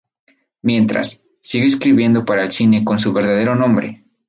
Mientras, sigue escribiendo para el cine con su verdadero nombre.